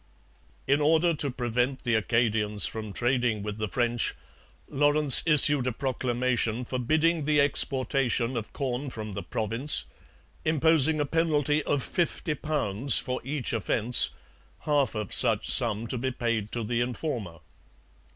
In order to prevent the Acadians from trading with the French, Lawrence issued a proclamation forbidding the exportation of corn from the province, imposing a penalty of fifty pounds for each offence, half of such sum to be paid to the informer.